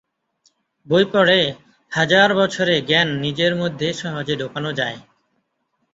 বই পড়ে হাজার বছরে জ্ঞান নিজের মধ্যে সহজে ঢোকানো যায়।